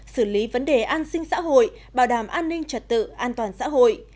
xử lý vấn đề an sinh xã hội bảo đảm an ninh trật tự an toàn xã hội